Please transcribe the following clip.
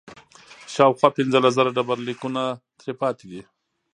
شاوخوا پنځلس زره ډبرلیکونه ترې پاتې دي.